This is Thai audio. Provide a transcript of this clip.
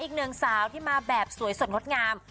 อีกหนึ่งสาวที่มาแบบสวยสดงดงาม